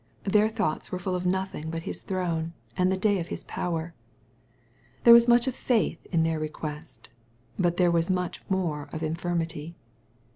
Their thoughts were full of nothing but His throne, and the day of His power. There was much of faith in their request, but there was much more of infirmity.